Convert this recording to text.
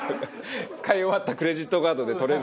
使い終わったクレジットカードで取れるんですよ。